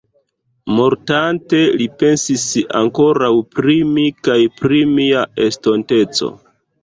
Mortante, li pensis ankoraŭ pri mi kaj pri mia estonteco.